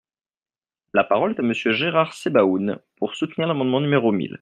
La parole est à Monsieur Gérard Sebaoun, pour soutenir l’amendement numéro mille.